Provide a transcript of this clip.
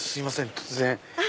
突然。